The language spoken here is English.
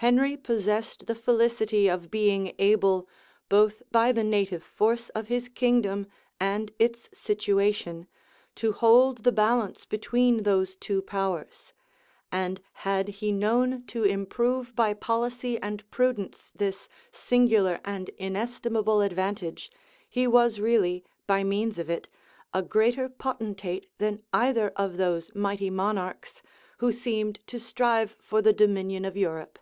Henry possessed the felicity of being able, both by the native force of his kingdom and its situation, to hold the balance between those two powers; and had he known to improve by policy and prudence this singular and inestimable advantage, he was really, by means of it, a greater potentate than either of those mighty monarchs, who seemed to strive for the dominion of Europe.